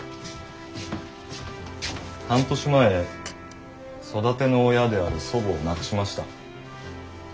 半年前育ての親である祖母を亡くしました。